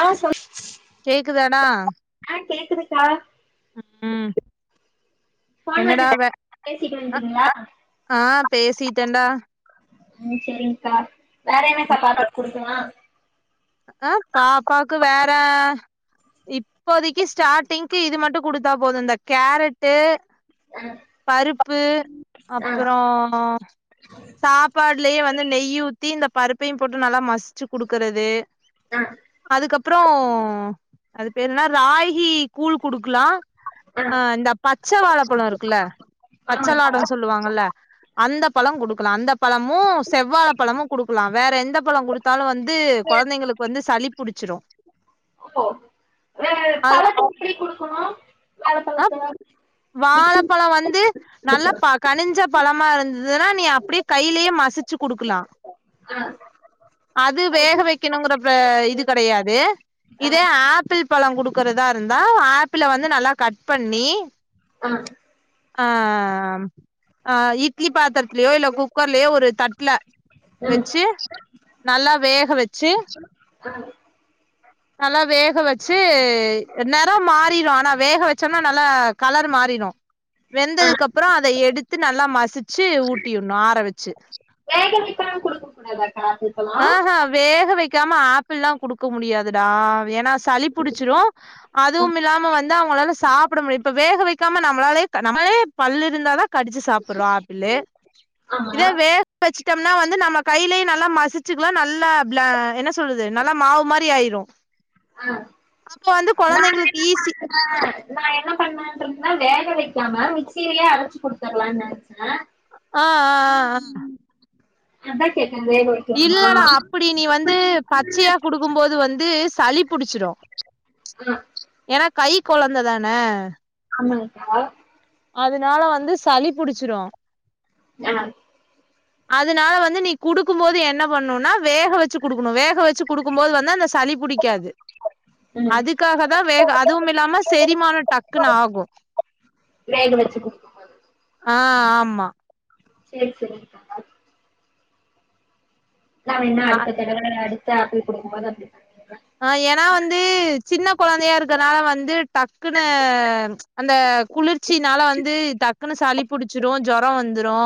ஆ சொல் கேக்குதடா ஆ கேக்குதுக்கா ம் ஃபோன் என்னடா வந்துதா வே பேசிட்டு அ வந்ட்டீங்களா அ பேசிட்டன்டா ம் செரிங்கா வேற என்ன ம் சாப்பாட்டோட் குடு கிவா அ பாப்பாக்கு வேற இப்போதிக்கி ஸ்டாட்டிங்க்கு இது மட்டு குடுத்தா போது இந்த கேரட்டு் ஆ பருப்பு ஆ அப்புறோ சாப்பாட்லயே வந்து நெய்யூ தி இந்த பருப்பையு போட்டு நல்லா மஸ்ச்சு குடுக்கறது ஆ அதுக்கப்பறோ அது பேர்ன்ன ராய் ஈ கூழ் குடுக்குலா ஆ அ இந்த பச்ச வாழைப்பழ இருக்குல்ல ஆமாங்க்கா பச்சளாடொ சொல்லுவாங்கல்ல அந்தப் பழங்குடுக்குலா அந்தப் பழமு செவ்வாழ பழமு குடுக்குலா வேற எந்த பழ குடுத் கால்ல வந் து கொழந்தைங்களுக் சளி புடிச்சிரு, ஓ ஆ அது, பழத்த எப்படி குடுக்கணு ஆ, வாழப்பழத்த மிக்ஸில வாழப்பழோ வந்து நல்லா அடிக்கணு பா கனிஞ்ச பழமா இருந்துதுனா நீ அப்டியே கையிலேயே மசிச்சு குடுக்லா, ஆ அது வேக வைக்கணுங்கிற ற இது கெடையாது, ஆ இதே ஆப்பிள் பழம் குடுக்கறதா இருந்தா ஆப்பிள வந்து நல்லா கட் பண்ணி ஆ ஆ, ஆ இ ட்லி பாத்ரத்துலயோ இல்ல குக்கர்லயோ ஒரு தட்ல ம் வச்சு நல்லா வேக வச்சு ஆ நல்லா வேக வச்சு நெறம் மாறிரு ஆனா வேக வச்சா இன்னு நல்லா கலர் மாறிடோ ஆ வெந்ததுக்கு அப்புறோ அத எடுத்து நல்லா மசிச்சு ஊட்டியுடனு ஆற வெச்சு வேக வைக்காம குடுக்க கூடாதாக்கா இப்பல்லா ஆஹா வே வெக்காம ஆப்பிள்ல்லா குடுக்க முடியாதுடா ஏன்னா சளி பிடிச்சிரோ அதுவும் இல்லாம வந்த் அவுங்களால சாப்பிட முடியா இப்ப வேக வெக்காம நம்மளாலே நம்மளே பல் இருந்த தா கடிச்சு சாப்பிடுறோ ஆப்பிள்ளு ஆமா இத வேக வெச்சு ம்னா வந்து நம்ம கைலேய நல்லா மசி ச்கலா நல்லா அ என்ன சொ சொல்லுது நல்லா மாவு மாரி ஆயிரோ ஆ நா கொழந்தைங்களுக்கு என்ன ஈஸி ப நா என்ன பண்ணறதுனா வேலை வெக்காம மிக்சிலயே அரச்சு குடுத்தரலாம்னு நெனைச்சே ஆ ஆ ஆ ஆ அதா கே இல்லடா அப்டி நீ வந்து பச்சையா குடுக்கும் போது வந்து சளிப் புடிச்சிடோ ஆ ஏன்னா கை கொழந்த தானே [unintelligible] அதனால வந்து சளி பிடிச்சிரோ அ அதனால வந்து நீ குடுக்கும் போது என்ன பண்ணும்னா வேக வெச்சு குடுக்கணோ வேக வெச்சு குடுக்கும் போது வந்து அந்த சளிபிடிக்காது ம் அதுக்காக தா வேக அதுவும் இல்லாம செரிமான டக்குன்னு ஆகும் வேக வெச்சு குடுக்கும்போது ஆ ஆமா செரி சேரிக்கா நா வேன்னா அ அடுத்த தடவ அடு முழுசா ஆப்பிள் குடுக்கும் போது அப்டி பண்ணிர்றே ஆஹ் ஏன்னா வந்து சின்ன கொழந்தையா இருக்கனால வந்து டக்குன்னு அந்த குளிர்ச்சினால ஜொரோ வந்துரோ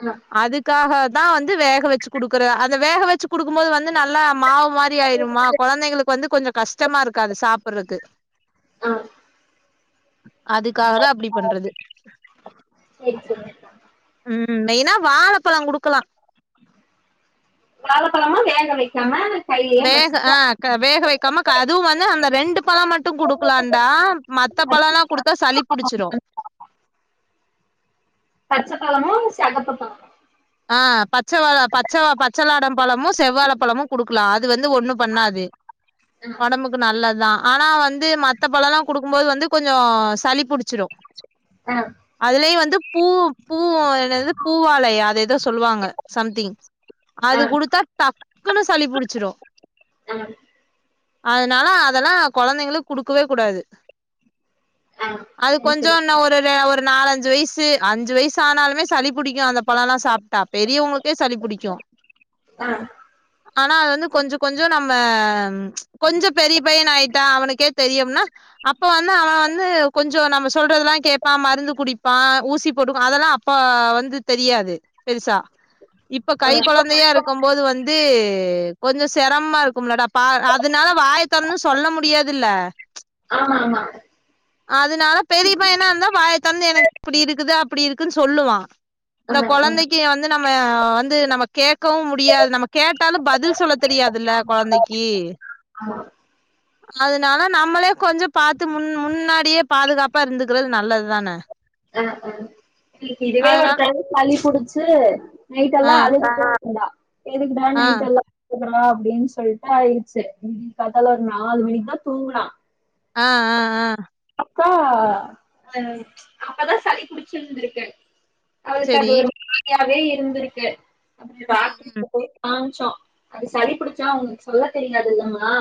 ஆ அதுக்காக தா வந்து வேக வெச்சு குடுக்குற அந்த வேக வெச்சு குடுக்கும்போது வந்து நல்லா மாவு மாரி ஆயிரும்மா கொழந்தைங்களுக்கு வந்து கொஞ்சோ கஷ்டமா இருக்காது சாப்பிடுறக்கு அ அதுக்காக தா அப்டி பண்றது சேரி சேரிங்க்கா ம் உம் ஏன்னா வாழப்பழம் கொடுக்கலா வாழப்பழமா வேக வைக்காம கையிலயே வேக மசிச்சு ஆஹ் வேக வைக்காம அதுவும் வந்து அந்த ரெண்டு பழம் மட்டும் குடுக்கலாம்டா மத்த பழம்லாம் குடுத்தா சளி புடிச்சிரும் அகத்து ஆஹ் பச்சைவ பச்ச பச்சைளாடம் பழமும் செவ்வாழ பழமும் குடுக்கலாம் அது வந்து ஒண்ணும் பண்ணாது ஆ ஒடம்புக்கு நல்லது ஆனா வந்து மத்த பழம்ல்லாம் குடுக்கும்போது வந்து கொஞ்சம் சளி புடிச் ச்சிடும் ஆ அதுலயே வந்து பூ பூ என்னது பூவாழையா அது சொல்லுவாங்க சம்திங் ஆ அது குடுத்தா டக்குன்னு சளிபுடிச்சிடும் ஆ அதனால அதெல்லாம் கொழந்தைங்களுக்கு குடுக்கவே கூடாது ஆ அது சரி சரி கொஞ்சம் இன்ன ஒரு ஒரு நாலஞ்சி வயசு அஞ்சு வயசு ஆனாலுமே சளி புடிக்கும் அந்த பழம் எல்லாம் சாப் ட பெரிய உங்களு ஏ சளி புடிக்கும் ஆ ஆனா அது வந்து கொஞ்சம் கொஞ்சம் நம்ம கொஞ்சம் பெரிய பையன் ஆயிட்டான் அவனுக்கே தெரியும்னா அப்ப வந்து அவன் வந்து கொஞ்சம் நம்ம சொல்றதெல்லாம் கேட்பான் மருந்து குடிப்பான் ஊசி போட்டுக்கும் அதெல்லாம் அப்ப வந்து தெரியாது பெருசா இப்ப கை ஆ கொழந்தையா இருக்கும் போது வந்து கொஞ்ச செரம்மா இருக்கும்லடா பா அதுனால வாய தொறந்து சொல்ல முடியாதுல்ல ஆமா ஆமா அதுனால பெரியபையனா இருந்தா வாய தொறந்து எனக்கு இப்டி இருக்குது அப்டி இருக்குன் சொல்லுவா ஆ இந்த ஆ கொழந்தைக் வந்து நம்ம வந்து நம்ம கேக்கவு முடியாது நம்ம கேட்டாலு பதில் சொல்லத் தெரியாதுல கொழந்தைக்கி ஆமா அதனால நம்மளே கொஞ்ச பாத்து முன் முன்னாடியே பாதுகாப்பா இருந்துக்கிறது நல்லதுதான பிள்ளைக்கு இதுவே ஒரு அதனால டைம் சளி புடிச் சு நைட் ஆ எல்லா அழுதிட்டே இருந்தா எதுக்குதா ஆ நைடெல்லா கூப்புட்றான் அப்டின் சொல்ட்டு ஆயிருச்சு விடிய காத்தால நாலு மணிக்கு தா தூங்குனா ஆஹ் ஆஹ் ஆஹ் அக்கா அஹ் அப்ப தா சளி புடிச்சுருந்திருக்கு அவ சா செரி [unintelligible] வே இருந்திருக்கு அப்றோ உம் டாக்டர் கிட்ட உம் போய் காமிச்சோ அது சளிபிடிச்சா அவங்களுக்கு சொல்ல தெரியாது இல்லம்மா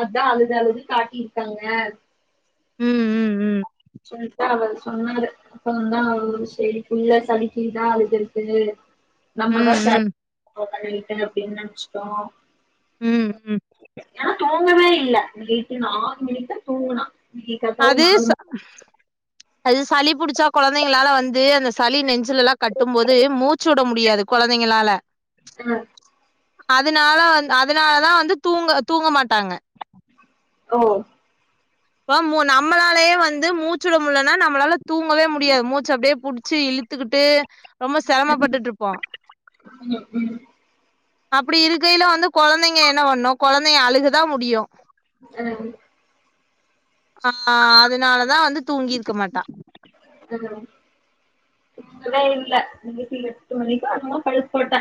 அதான் அழுது அழுது காட்டிருக்காங்க உம் உம் உம் சொல்லிட்டு அவர் சொன்னாரு அப்பறம் தான் சரி புள்ள சளிக்கிதான் அழுதிருக்கு ம் நம்மதான் ச ம் [unintelligible] அவிட்டன் அப்படின்னு நினைச்சிட்டோம் உம் உம் ஏனா தூங்கவே இல்லே நைட்டு நாலு மணிக்கு தா தூங்குனா இன்னைக்கு காத்தால நாலு அதேச மணி அது சளி புடிச்சா கொழந்தைங்களால வந்து அந்த சளி நெஞ்சு லெல்லா கட்டும் போது மூச்சு விட முடியாது கொழந்தைங்களால ஆ அதனால வந் அதனாலதா வந்து தூங்க தூங்க மாட்டாங்க ஓ இப்ப மு நம்மளாலயே வந்து மூச்சுட முடிலன்னா நம்மளால தூங்கவே முடியாது மூச்சு அப்டியே புடிச்சு இழுத்துக்கிட்டு ரொம்ப சிரமபட்டுட்டிருப்போ ம் அப்டி இருக்கயில வந்து கொழந்தைங்க என்ன வண்ணு கொழந்தைங்க அழுகதா முடியும் அ ஆ அதனாலதா வந்து தூங்கிருக்க மாட்டா வே இல்லே இன்னிக்கு எட்டு மணிக்கா என்னமோ படுக் போட்டே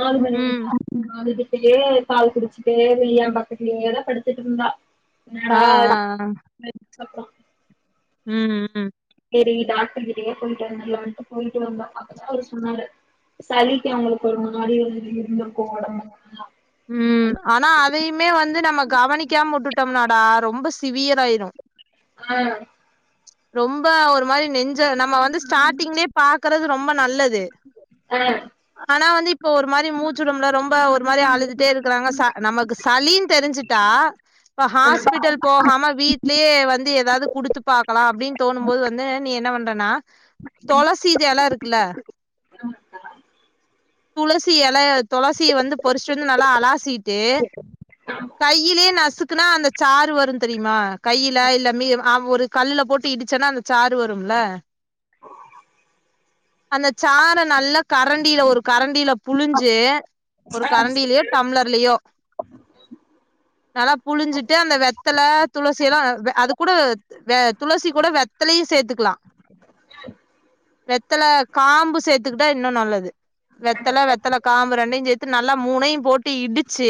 நாலு மணி ம் வரிக்கு [unintelligible] ஆகுதே அப்டியே பால் குடிச்சிட்டே வெளிய எ பக்கதுலேயேதா படுத்துட்டு இருந்தா ஆ ஆ ஆ [unintelligible] அப்பா ம் ம் ம் செரி டாக்டர் கிட்டியே போயிட்டு வந்தர்லான்டு போயிட்டு வந்தோ அப்பதா அவரு சொன்னாரு சளிக்கு அவங்களுக்கு ஒரு மாரி இரு இருந்திருக்கு உடம்பெல்லா உம் ஆனா அதையுமே வந்து நமக் கவனிக்காம வுட்டுட்டோம்னாடா ரொம்ப சிவியர் ஆயிரும் ஆஹ் ரொம்ப ஒரு மாரி நெஞ்ச நம்ம வந்து ஸ்டாடிங்லேயே பாக்குறது ரொம்ப நல்லது ஆ ஆ ஆனா வந்து இப்ப ஒரு மாரி மூச்சுடமுடில ரொம்ப ஒரு மாரி அழுதுட்டே இருக்குறாங்க ச நமக்கு சளின்னு தெரிஞ்சுட்டா இப்ப ஹாஸ்பிடல் போகாம வீட்லயே வந்து ஏதாவது குடுத்து பாக்கலா அப்டின்னு தோணும்போது வந்து நீ என்ன வண்றேனா தொளசிது எல இருக்குல்ல துள சி எல தொளசிய வந்து பொறிச்சுட்டு வந்து நல்லா அலாசிட் டு கையிலே நசுக் க்குனா அந்த சாறுவருந்தெரியுமா கையில இல்ல மி ஆ ஒரு கல்லுல போட்டு இடிச்சேன்னா அந்த சாறு வரும்ல அந்த சார நல்லா கரண்டியில ஒரு கரண்டியில புழுஞ்சி ஒரு கரண்டிலயோ டம்ளர்லயோ நல்லா புழிஞ்சிட்டு அந்த வெத்தல துளசி எல்லா அது கூட வெ துளசி கூட வெத்தலயு சேத்துக்கலா வெத் தல காம்பு சேத்துகிட்டா இன்னு நல்லது வெத்தல வெத்தல காம்பு ரெண்டையுஞ்சேத் து நல்லா மூனையு போட்டு இடிச்சி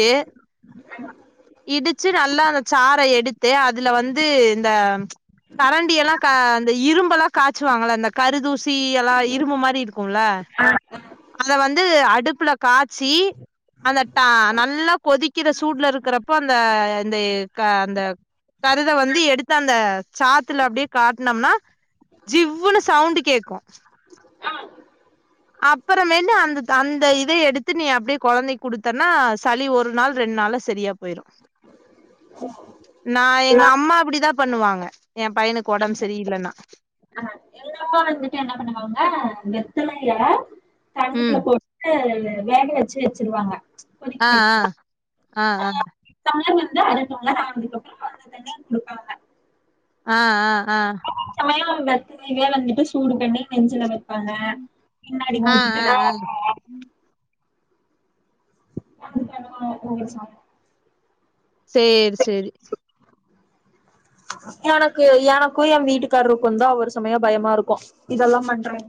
இடிச்சி நல்லா அந்த சார எடுத்து அதுல வந்து இந்த கரண்டி எல்லா க அந்த இரும்பெல்லா காய்ச்சுவாங்கல்ல அந்த கருதூசி எல்லா இரும்பு மாரி இருக் குல்ல ஆ அத வந்து அடுப்புல காச்சி அந்த டா நல்லா கொதிக்கிற சூடுல இருக்குறப்போ அந்த இந்த க அந்த கருத வந்து எடுத்து அந்த சாத்துல அப்டி காட்னம்னா ஜிவ்வுன்னு சவுண்டு் கேக்கு அப்புறமேட்டு அந்த அந்த இத எடுத்து நீ அப்படியே கொழந்தைக்கு குடுத்தன்னா சளி ஒரு நாள் ரெண்டு நாள்ல சரியா போயிரும் நா எங்க அம்மா அப்படிதா பண்ணுவாங்க என் பையனுக்கு ஒடம்பு சரி இல்லன்னா ப்பா வந்துட்டு என்ன பண்ணுவாங்க வெத்தலைய தண்ணீல ம் போட்டு வேலைய வச்சு வச்சிருவாங்க கொதிக்க ஆஹ் விட்டு ஆஹ் ஆஹ் ஆஹ் டம்ளர் வந்து அற டம்ளர் ஆனதுகப்ரம் அந்த தண்ணிய குடுப்பாங்க ஆஹ் ஆஹ் ஆஹ் சமயம் [unintelligible] வந்துட்டு சூடு பண்ணி நெஞ்சில வெ ப்பங்க பின்னாடி ஆ ஆ ஆ ஆ [unintelligible] [unintelligible] சேரி சேரி எனக்கு எனக்கு என் வீட்டுக்காரருக்குந்தா ஒரு சமயம் பயமா இருக்கு இதெல்லா பண்றோமே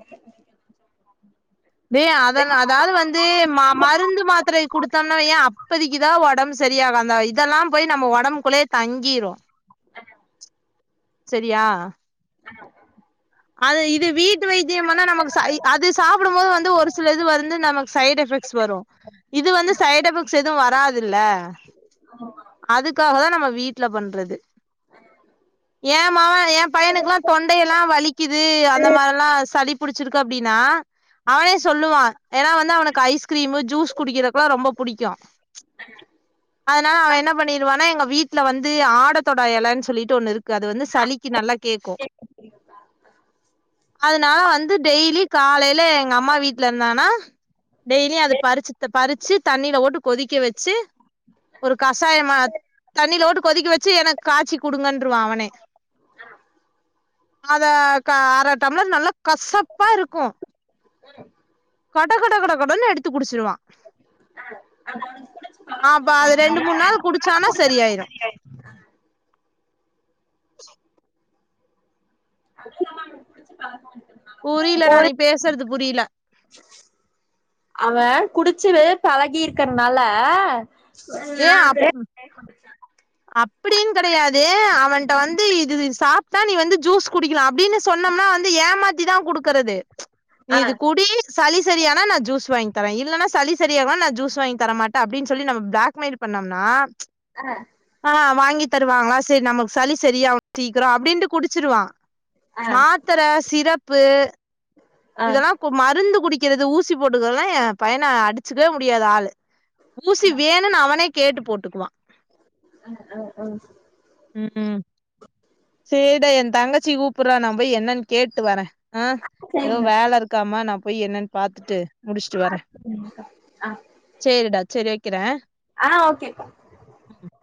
ஏ அத அதாவது வந்து ம மருந்து மாத்திரைய குடுத்தோம்னுவையே அப்பதைக்குதா ஒடம்பு சரியாகு அந்த இதெல்லா போய் நம்ம ஒடம்புக்குள்ளயே தங்கிரு சரியா அது இது வீட்டு வைத்தியம் பன்னா நமக்கு ச அது சாப்பிடும் போது வந்து ஒரு சில இது வந்து நமக்கு சைடு் எஃபெக்ட்ஸ் வரு இது வந்து சைடு் எஃபெக்ட்ஸ் எதுவு வராதுல்ல அதுக்காகதா நம்ம வீட்டுல பண்றது என் மவெ என் பையனுக்குலா தொண்டையல்லா வலிக் குக்குது அந்த மாரிலா சளி புடிச்சிருக்கு அப்டின்னா அவனே சொல்லுவான் ஏன்னா வந்து அவனுக்கு ஐஸ்கிரீமு ஜூஸ் குடிக்கிறக்குலா ரொம்ப புடிக்கு அதனால அவன் என்ன பண்ணிருவானா எங்க வீட்டுல வந்து ஆட தொடா எலன்னு சொல்லிட்டு ஒண்ணு இருக்கு அது வந்து சளிக்கு நல்லா கேக்கும் அதுனால வந்து டெய்லி காலைல எங்க அம்மா வீட்ல இருந்தானா டெய்லி அத பறிச்சுத்த பறிச்சு தண்ணிலவோட்டு கொதிக்க வச்சு ஒரு கஷாயமா தண்ணிலவோட்டு கொதிக்க வச்சு எனக்கு காச்சி குடுங்கன்றுவா அவனே அத க அர டம்ளர் நல்லா கசப்பா இருக்கும் கட கட கட கடன்னு எடுத்து குடிச்சிருவான் பழக்கம் அப்ப அது ரெண்டு மூணு இருக்கறதுனால நாள் குடிச்சானா குடிச்சாலு சரியாயிரு அதுவு இல்லாம அவனுக்கு புடிச்ச பழக்கோ இருக்கறதுனால கூட புரியலடா ஒரு நீ பேசறது புரியல அவன் குடிச்சிரு பழகி இருக்கறனால [inaudible] ஏ அப் அப்டின்னு கெடையாது அவன்ட்ட வந்து இது சாப்ட்டா நீ வந்து ஜூஸ் குடிக்கலா அப்டின்னு சொன்னோம்னா வந்து ஏமாத்திதா குடுக்கறது நீ ஆ இது குடி சளி சரியானா நா ஜூஸ் வாங்கித்தர இல்லன்னா சளி சரியாகலன்னா நா ஜூல்ஸ் வாங்கித் தரமாட்ட அப்டின்னு சொல்லி நம்ம ப்ளாக் நம்ம இது பண்ணோம்னா ஆ ஆ வாங்கி தருவாங்ளா செரி நமக்கு சளி சரியா சீக்கிரோ அப்டின்ட்டு குடிச்சிருவா ஆ மாத்தர சிரப்பு ஆ இதெல்லா கு மருந்து குடிக்கேறது ஊசி போட்டுக்கறதல்லா என் பையன அடிச்சுக்கவே முடியாது ஆளு ஊசி வேணுன் அவனே கேட்டு போட்டுக்குவா ம் ம் ஹும் சேரிடா ஏ தங்கச்சி கூப்புட்றா நா போய் என்னன்னு கேட்டு வர ஆ ஏதோ சரிங்க வேல இருக்காமா நா போய் என்னன்னு பாத்துட்டு முடிச்சுட்டு வர அ சேரிடா செரி வைக்கிறே ஆ ஓகேப்பா உஹம்